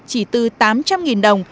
chỉ từ tám trăm linh đồng